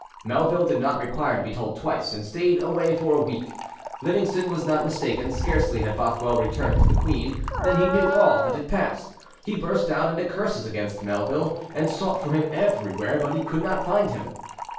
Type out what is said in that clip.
Melville did not require to be told twice, and stayed away for a week. Livingston was not mistaken: scarcely had Bothwell returned to the queen than he knew all that had passed. He burst out into curses against Melville, and sought for him everywhere; but he could not find him.